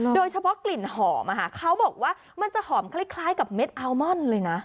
โดยเฉพาะกลิ่นหอมเขาบอกว่ามันจะหอมคล้ายกับเม็ดอัลมอนเลยนะ